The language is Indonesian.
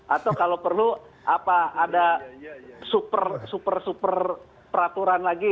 atau kalau perlu ada super super peraturan lagi